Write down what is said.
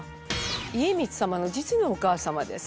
家光様の実のお母様です。